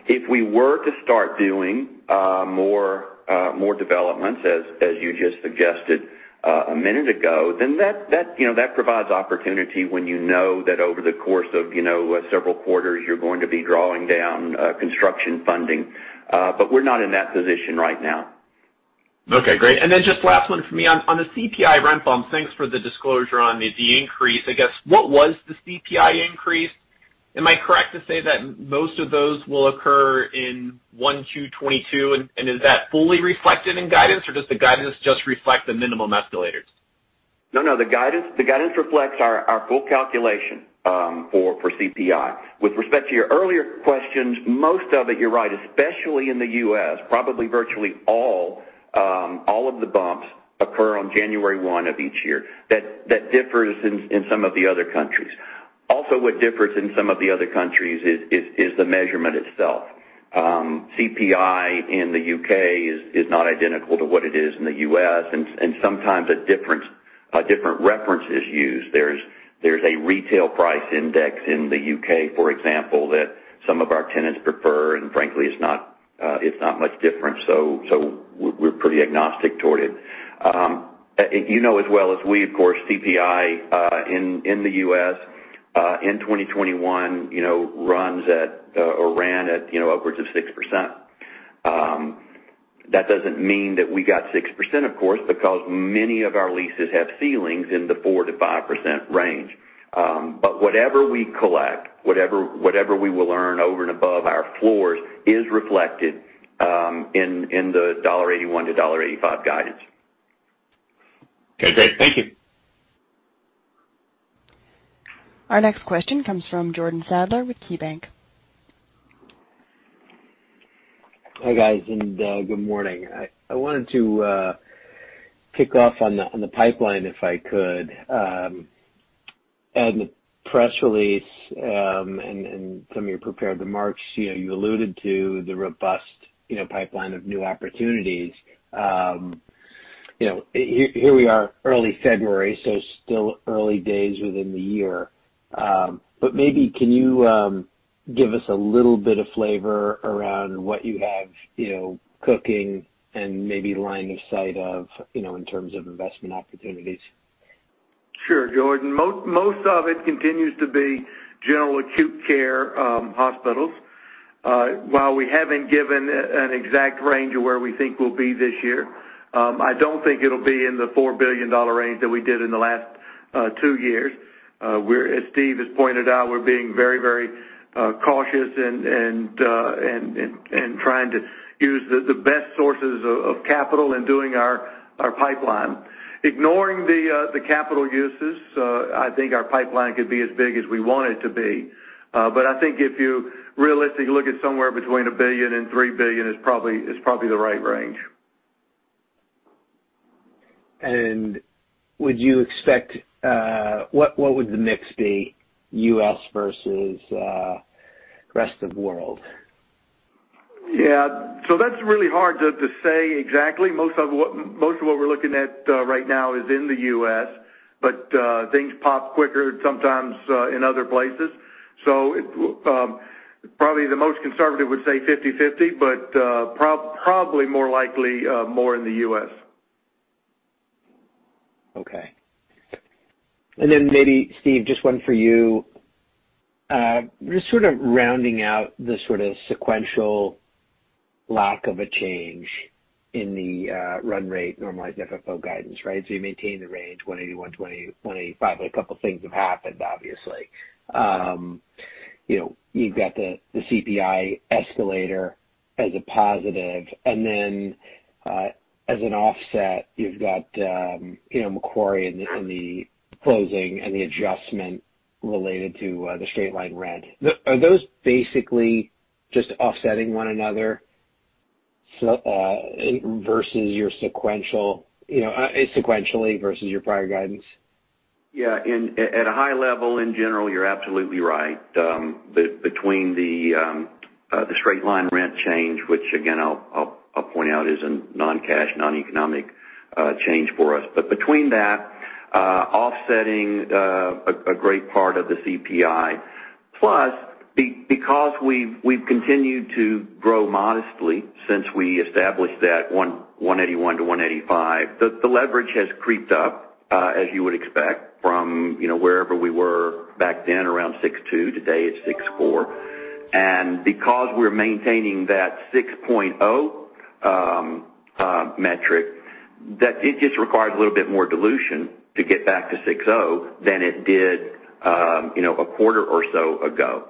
If we were to start doing more developments, as you just suggested a minute ago, then that you know that provides opportunity when you know that over the course of you know several quarters, you're going to be drawing down construction funding. We're not in that position right now. Okay, great. Just last one from me. On the CPI rent bumps, thanks for the disclosure on the increase. I guess, what was the CPI increase? Am I correct to say that most of those will occur in 1Q 2022? Is that fully reflected in guidance, or does the guidance just reflect the minimum escalators? No, no, the guidance reflects our full calculation for CPI. With respect to your earlier questions, most of it, you're right, especially in the US, probably virtually all of the bumps occur on January 1 of each year. That differs in some of the other countries. Also, what differs in some of the other countries is the measurement itself. CPI in the UK is not identical to what it is in the US, and sometimes a different reference is used. There's a Retail Price Index in the UK, for example, that some of our tenants prefer, and frankly, it's not much different. We're pretty agnostic toward it. You know as well as we, of course, CPI in the US in 2021 runs at or ran at upwards of 6%. That doesn't mean that we got 6%, of course, because many of our leases have ceilings in the 4% to 5% range. Whatever we collect, whatever we will earn over and above our floors is reflected in the $1.81 to 1.85 guidance. Okay, great. Thank you. Our next question comes from Jordan Sadler with KeyBanc. Hi, guys, and good morning. I wanted to kick off on the pipeline, if I could. Ed, in the press release and some of your prepared remarks, you know, you alluded to the robust, you know, pipeline of new opportunities. Here we are, early February, so still early days within the year. Maybe can you give us a little bit of flavor around what you have, you know, cooking and maybe line of sight of, you know, in terms of investment opportunities? Sure, Jordan. Most of it continues to be general acute care hospitals. While we haven't given an exact range of where we think we'll be this year, I don't think it'll be in the $4 billion range that we did in the last two years. We're, as Steve has pointed out, we're being very cautious and trying to use the best sources of capital in doing our pipeline. Ignoring the capital uses, I think our pipeline could be as big as we want it to be. But I think if you realistically look at somewhere between $1 and 3 billion is probably the right range. Would you expect what would the mix be US versus rest of the world? Yeah. That's really hard to say exactly. Most of what we're looking at right now is in the US, but things pop quicker sometimes in other places. Probably the most conservative would say 50/50, but probably more likely more in the US Okay. Maybe, Steve, just one for you. Just sort of rounding out the sort of sequential lack of a change in the run rate normalized FFO guidance, right? You maintain the range $1.81 to 1.85, but a couple things have happened, obviously. You know, you've got the CPI escalator as a positive, and then as an offset, you've got Macquarie in the closing and the adjustment related to the straight-line rent. Are those basically just offsetting one another? Versus your sequential, sequentially versus your prior guidance. Yeah. At a high level in general, you're absolutely right. Between the straight-line rent change, which again, I'll point out is a non-cash, non-economic change for us. Between that offsetting a great part of the CPI, plus because we've continued to grow modestly since we established that 1.81 to 1.85, the leverage has crept up, as you would expect from, you know, wherever we were back then around 6.2, today it's 6.4. Because we're maintaining that 6.0 metric, that it just requires a little bit more dilution to get back to 6.0 than it did, you know, a quarter or so ago.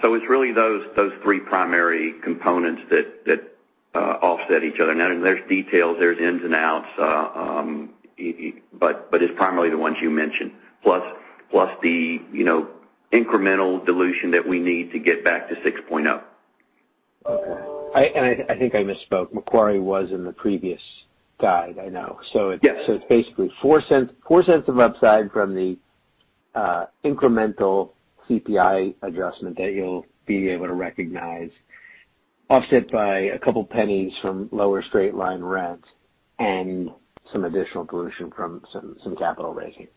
So, it's really those three primary components that offset each other. Now, there's details, there's ins and outs. But it's primarily the ones you mentioned, plus the, you know, incremental dilution that we need to get back to 6.0. Okay. I think I misspoke. Macquarie was in the previous guide, I know. Yes. It's basically $0.04 of upside from the incremental CPI adjustment that you'll be able to recognize, offset by a couple pennies from lower straight-line rent and some additional dilution from some capital raising.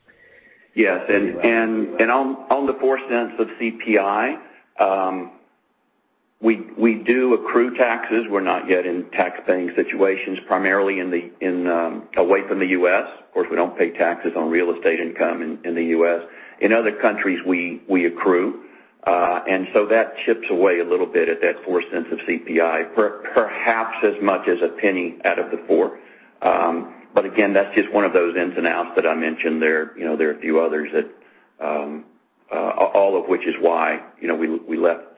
Yes. You're welcome. On the 4 cents of CPI, we do accrue taxes. We're not yet in tax paying situations, primarily away from the US Of course, we don't pay taxes on real estate income in the US In other countries, we accrue. And so that chips away a little bit at that 4 cents of CPI, perhaps as much as a penny out of the 4. Again, that's just one of those ins and outs that I mentioned there. You know, there are a few others that all of which is why, you know, we left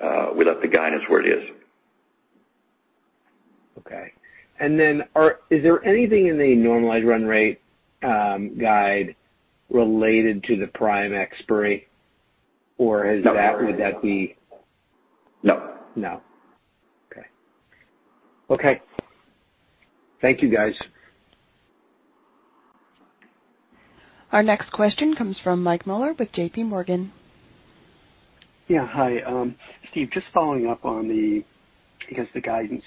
the guidance where it is. Is there anything in the normalized run rate guide related to the Prime expiry? Or is that- No. Would that be? No. No. Okay. Thank you, guys. Our next question comes from Mike Mueller with JPMorgan. Yeah. Hi. Steve, just following up on the, I guess, the guidance.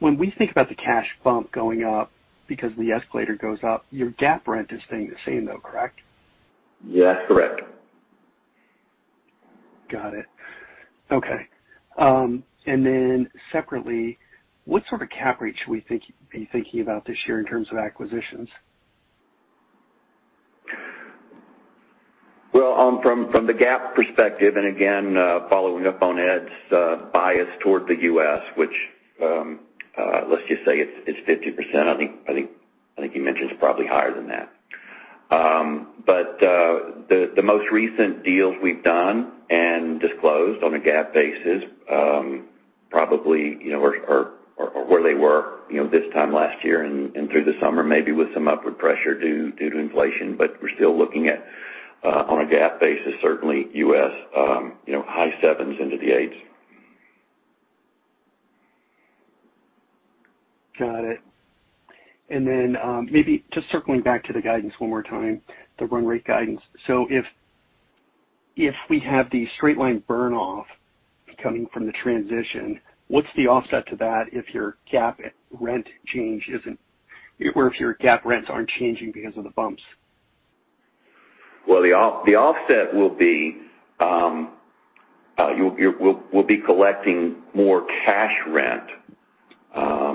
When we think about the cash bump going up because the escalator goes up, your GAAP rent is staying the same though, correct? Yeah, correct. Got it. Okay. Separately, what sort of cap rate should we be thinking about this year in terms of acquisitions? Well, from the GAAP perspective, and again, following up on Ed's bias toward the US, which, let's just say it's 50%. I think he mentioned it's probably higher than that. The most recent deals we've done and disclosed on a GAAP basis, probably, you know, are where they were, you know, this time last year and through the summer, maybe with some upward pressure due to inflation. We're still looking at, on a GAAP basis, certainly US, you know, high 7s into the 8s. Got it. Maybe just circling back to the guidance one more time, the run rate guidance. If we have the straight line burn off coming from the transition, what's the offset to that if your GAAP rent change isn't, or if your GAAP rents aren't changing because of the bumps? Well, the offset will be we'll be collecting more cash rent. I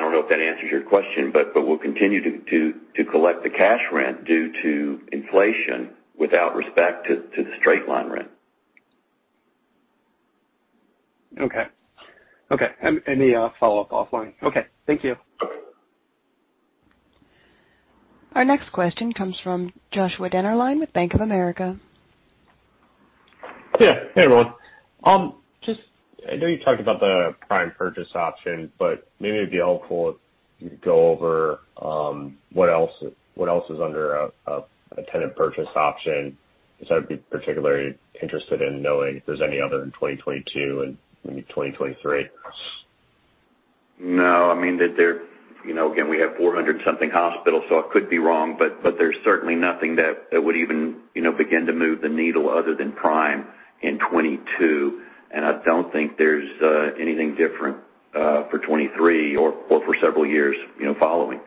don't know if that answers your question, but we'll continue to collect the cash rent due to inflation without respect to the straight-line rent. Okay. Any follow-up offline? Okay. Thank you. Our next question comes from Joshua Dennerlein with Bank of America. Yeah. Hey, everyone. Just, I know you talked about the Prime purchase option, but maybe it'd be helpful if you could go over what else is under a tenant purchase option. Just, I'd be particularly interested in knowing if there's any other in 2022 and maybe 2023. No, I mean, there you know, again, we have 400-something hospitals, so I could be wrong, but there's certainly nothing that would even you know, begin to move the needle other than Prime in 2022. I don't think there's anything different for 2023 or for several years you know, following.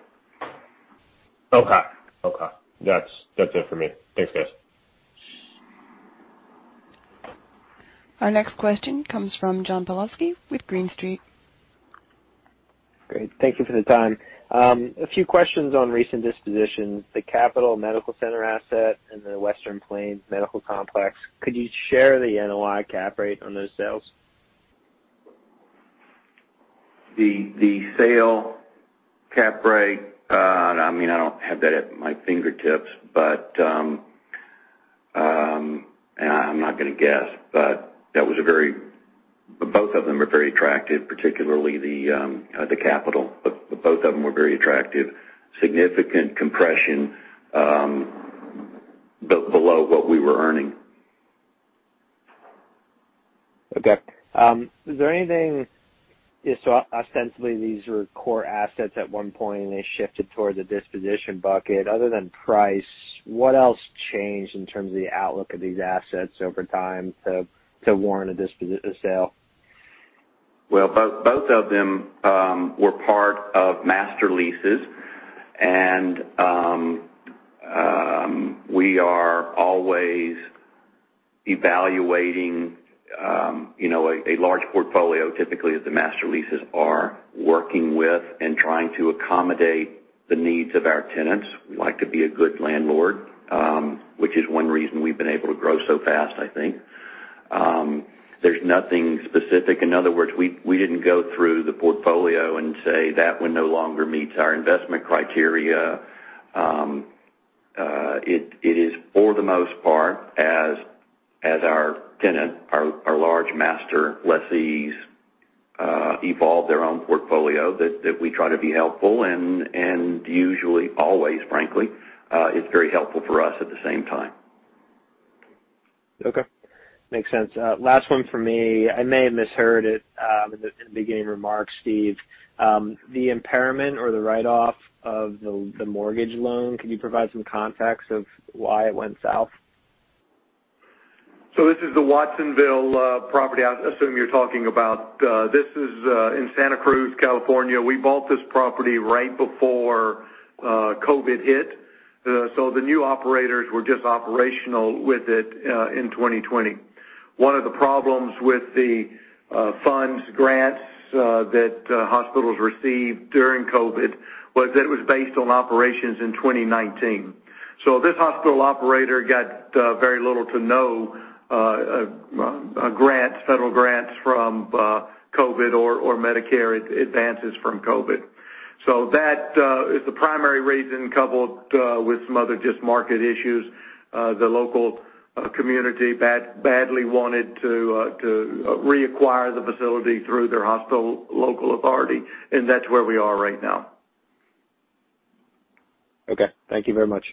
Okay. That's it for me. Thanks, guys. Our next question comes from John Pawlowski with Green Street. Great. Thank you for the time. A few questions on recent dispositions. The Capital Medical Center asset and the Western Plains Medical Complex, could you share the NOI cap rate on those sales? The sale cap rate, I mean, I don't have that at my fingertips, but and I'm not gonna guess, but both of them are very attractive, particularly the cap, but both of them were very attractive. Significant compression below what we were earning. Yeah, ostensibly these were core assets at one point, and they shifted toward the disposition bucket. Other than price, what else changed in terms of the outlook of these assets over time to warrant a sale? Well, both of them were part of master leases and we are always evaluating, you know, a large portfolio typically as the master leases are working with and trying to accommodate the needs of our tenants. We like to be a good landlord, which is one reason we've been able to grow so fast, I think. There's nothing specific. In other words, we didn't go through the portfolio and say that one no longer meets our investment criteria. It is for the most part as our tenant, our large master lessees evolve their own portfolio that we try to be helpful and usually, always frankly, it's very helpful for us at the same time. Okay. Makes sense. Last one for me. I may have misheard it in the beginning remarks, Steve. The impairment or the write-off of the mortgage loan, can you provide some context of why it went south? This is the Watsonville property I assume you're talking about. This is in Santa Cruz, California. We bought this property right before COVID hit. The new operators were just operational with it in 2020. One of the problems with the funds, grants that hospitals received during COVID was that it was based on operations in 2019. This hospital operator got very little to no grants, federal grants from COVID or Medicare advances from COVID. That is the primary reason coupled with some other just market issues. The local community badly wanted to reacquire the facility through their hospital local authority, and that's where we are right now. Okay. Thank you very much.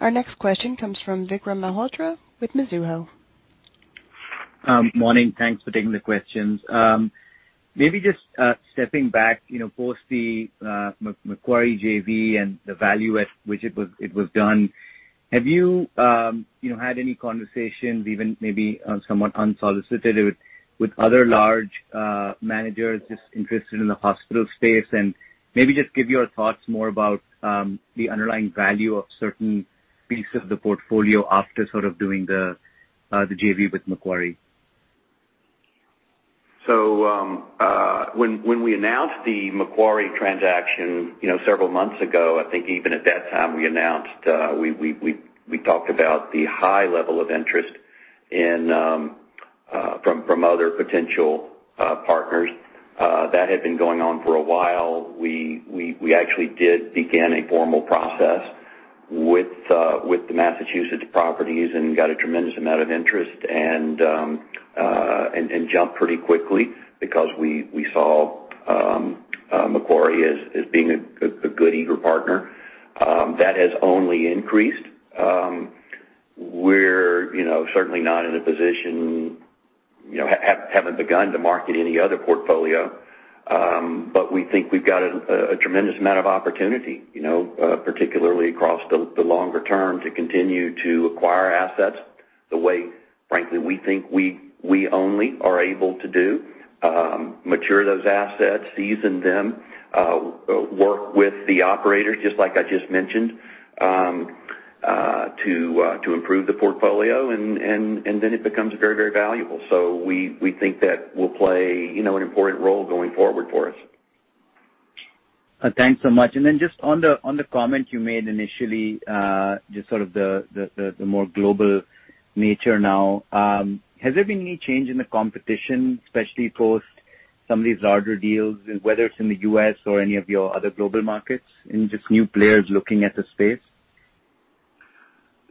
Our next question comes from Vikram Malhotra with Mizuho. Morning. Thanks for taking the questions. Maybe just stepping back, you know, post the Macquarie JV and the value at which it was done. Have you know, had any conversations, even maybe somewhat unsolicited with other large managers just interested in the hospital space? Maybe just give your thoughts more about the underlying value of certain pieces of the portfolio after sort of doing the JV with Macquarie. When we announced the Macquarie transaction, you know, several months ago, I think even at that time we announced we talked about the high level of interest from other potential partners. That had been going on for a while. We actually did begin a formal process with the Massachusetts properties and got a tremendous amount of interest and jumped pretty quickly because we saw Macquarie as being a good eager partner. That has only increased. We're, you know, certainly not in a position, you know, haven't begun to market any other portfolio. We think we've got a tremendous amount of opportunity, you know, particularly across the longer term, to continue to acquire assets the way, frankly, we think we only are able to do. Mature those assets, season them, work with the operators, just like I just mentioned, to improve the portfolio, and then it becomes very, very valuable. We think that will play, you know, an important role going forward for us. Thanks so much. Just on the comment you made initially, just sort of the more global nature now, has there been any change in the competition, especially post some of these larger deals, whether it's in the US or any of your other global markets, and just new players looking at the space?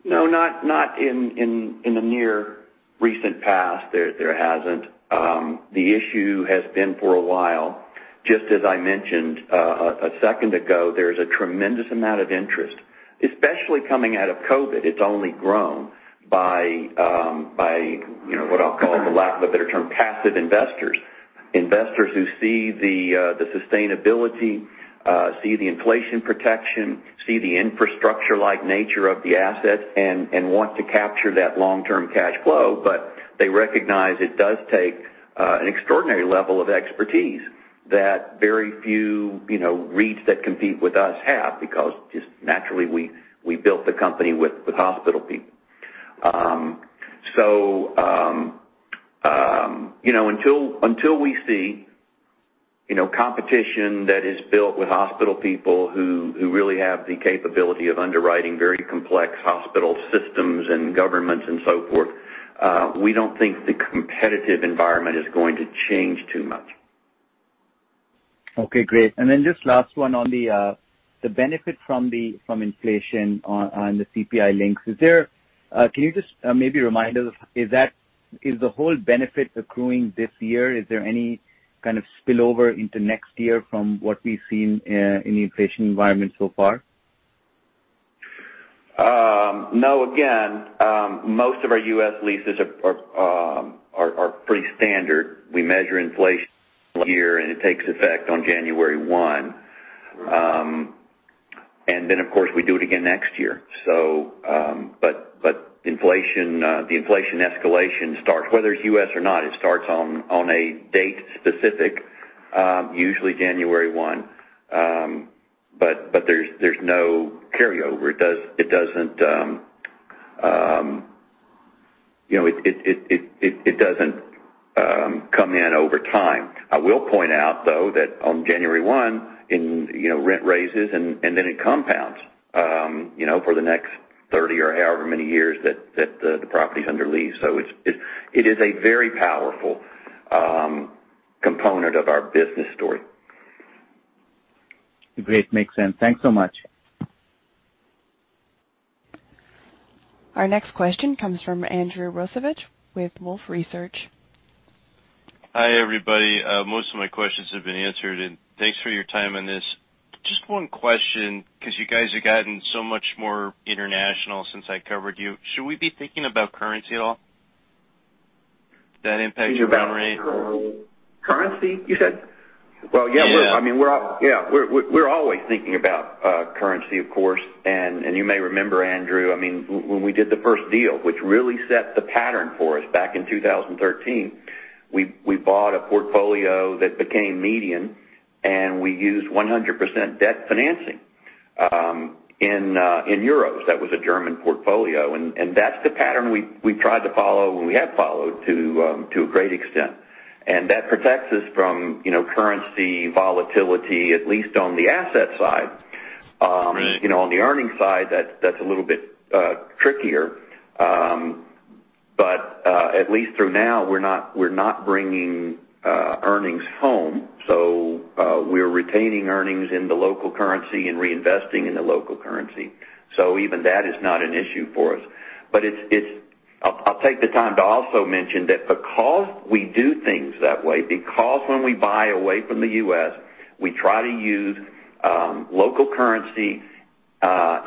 No, not in the near recent past, there hasn't. The issue has been for a while, just as I mentioned, a second ago, there's a tremendous amount of interest, especially coming out of COVID. It's only grown by, you know, what I'll call, for lack of a better term, passive investors. Investors who see the sustainability, see the inflation protection, see the infrastructure-like nature of the asset and want to capture that long-term cash flow. But they recognize it does take an extraordinary level of expertise that very few, you know, REITs that compete with us have, because just naturally, we built the company with hospital people. You know, until we see you know, competition that is built with hospital people who really have the capability of underwriting very complex hospital systems and governments and so forth, we don't think the competitive environment is going to change too much. Okay, great. Then just last one on the benefit from inflation on the CPI links. Can you just maybe remind us, is the whole benefit accruing this year? Is there any kind of spillover into next year from what we've seen in the inflation environment so far? No. Again, most of our US leases are pretty standard. We measure inflation yearly, and it takes effect on January one. Then, of course, we do it again next year. But inflation, the inflation escalation starts, whether it's US or not, it starts on a specific date, usually January one. But there's no carryover. It doesn't, you know, come in over time. I will point out, though, that on January one, you know, rent raises and then it compounds, you know, for the next 30 or however many years that the property is under lease. It's a very powerful component of our business story. Great. Makes sense. Thanks so much. Our next question comes from Andrew Rosivach with Wolfe Research. Hi, everybody. Most of my questions have been answered, and thanks for your time on this. Just one question, 'cause you guys have gotten so much more international since I covered you. Should we be thinking about currency at all? Does that impact your NOI? Currency, you said? Well, yeah. I mean, we're always thinking about currency, of course. You may remember, Andrew, I mean, when we did the first deal, which really set the pattern for us back in 2013, we bought a portfolio that became MEDIAN, and we used 100% debt financing in euros. That was a German portfolio, and that's the pattern we've tried to follow, and we have followed to a great extent. That protects us from, you know, currency volatility, at least on the asset side. You know, on the earnings side, that's a little bit trickier. At least through now, we're not bringing earnings home, so we're retaining earnings in the local currency and reinvesting in the local currency. Even that is not an issue for us. It's—I'll take the time to also mention that because we do things that way, because when we buy away from the US, we try to use local currency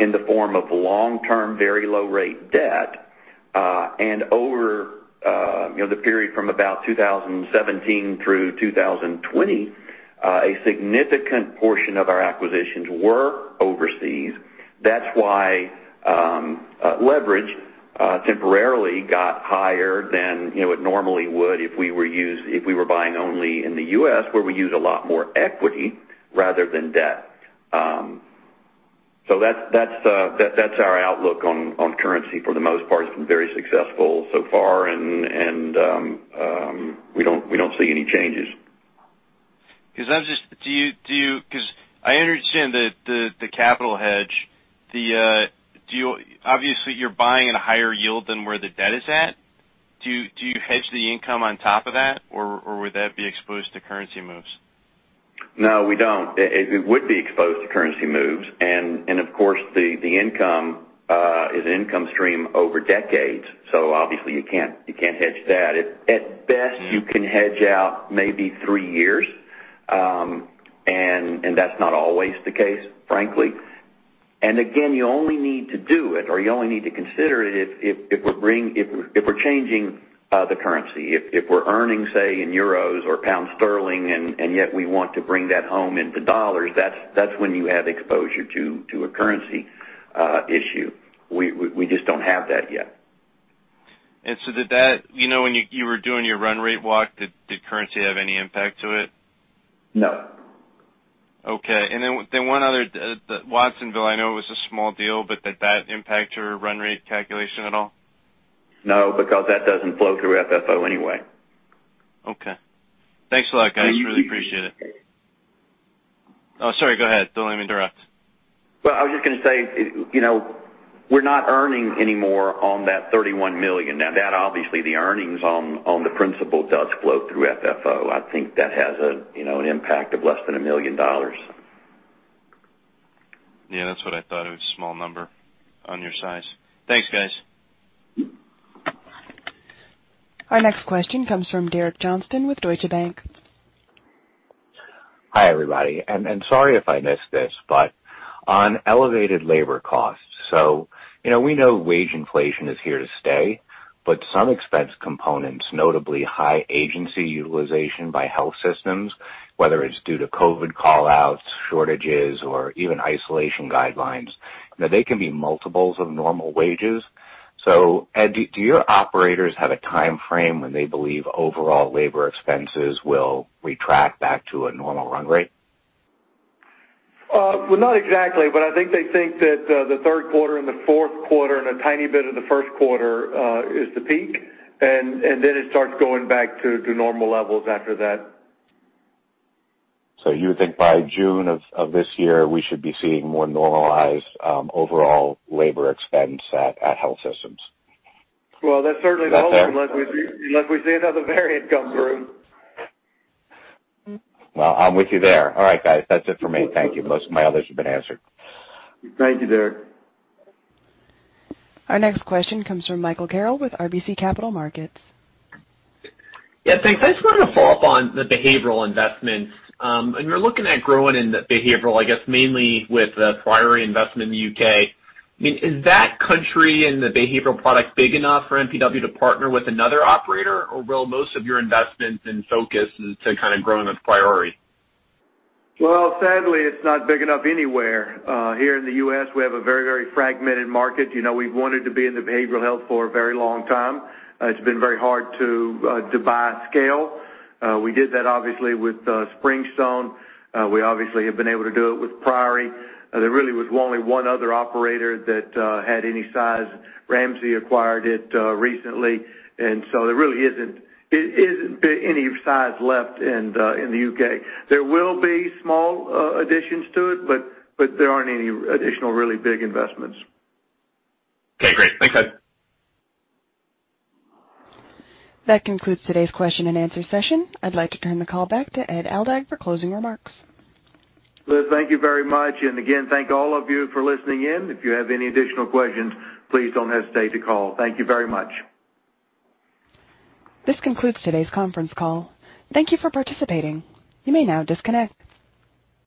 in the form of long-term, very low-rate debt. And over you know the period from about 2017 through 2020, a significant portion of our acquisitions were overseas. That's why leverage temporarily got higher than you know it normally would if we were—if we were buying only in the US, where we use a lot more equity rather than debt. That's our outlook on currency. For the most part, it's been very successful so far, and we don't see any changes. 'Cause I understand that the capital hedge. Obviously, you're buying at a higher yield than where the debt is at. Do you hedge the income on top of that or would that be exposed to currency moves? No, we don't. It would be exposed to currency moves. Of course, the income is an income stream over decades. Obviously you can't hedge that. At best, you can hedge out maybe three years. That's not always the case, frankly. Again, you only need to do it or you only need to consider it if we're changing the currency. If we're earning, say, in euros or pound sterling, and yet we want to bring that home into dollars, that's when you have exposure to a currency issue. We just don't have that yet. You know, when you were doing your run rate walk, did currency have any impact to it? No. Okay. One other. The Watsonville, I know it was a small deal, but did that impact your run rate calculation at all? No, because that doesn't flow through FFO anyway. Okay. Thanks a lot, guys. Really appreciate it. Oh, sorry, go ahead. Don't let me interrupt. Well, I was just gonna say, you know, we're not earning any more on that $31 million. Now, that obviously the earnings on the principal does flow through FFO. I think that has a, you know, an impact of less than $1 million. Yeah, that's what I thought. It was a small number on your size. Thanks, guys. Our next question comes from Derek Johnston with Deutsche Bank. Hi, everybody. Sorry if I missed this, but on elevated labor costs. You know, we know wage inflation is here to stay, but some expense components, notably high agency utilization by health systems, whether it's due to COVID call-outs, shortages, or even isolation guidelines, you know, they can be multiples of normal wages. Ed, do your operators have a timeframe when they believe overall labor expenses will retract back to a normal run rate? Well, not exactly, but I think they think that the Q3 and the Q4 and a tiny bit of the Q1 is the peak. And then it starts going back to normal levels after that. You would think by June of this year, we should be seeing more normalized overall labor expense at health systems? Well, that's certainly the hope. That's it? Unless we see another variant come through. Well, I'm with you there. All right, guys, that's it for me. Thank you. Most of my others have been answered. Thank you, Derek. Our next question comes from Michael Carroll with RBC Capital Markets. Yeah, thanks. I just wanted to follow up on the behavioral investments. When you're looking at growing in the behavioral, I guess mainly with the Priory investment in the UK, I mean, is that country and the behavioral product big enough for MPW to partner with another operator? Or will most of your investments and focus is to kind of growing with Priory? Well, sadly, it's not big enough anywhere. Here in the US, we have a very, very fragmented market. You know, we've wanted to be in the behavioral health for a very long time. It's been very hard to buy scale. We did that obviously with Springstone. We obviously have been able to do it with Priory. There really was only one other operator that had any size. Ramsay acquired it recently. There really isn't any size left in the UK There will be small additions to it, but there aren't any additional really big investments. Okay, great. Thanks, Ed. That concludes today's question and answer session. I'd like to turn the call back to Ed Aldag for closing remarks. Liz, thank you very much. Again, thank all of you for listening in. If you have any additional questions, please don't hesitate to call. Thank you very much. This concludes today's conference call. Thank you for participating. You may now disconnect.